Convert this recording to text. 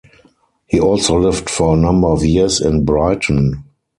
He also lived for a number of years in Brighton.